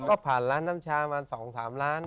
ก็ผ่านร้านน้ำชามา๒๓ล้าน